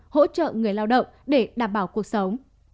hỗ trợ người lao động để đảm bảo cuộc sống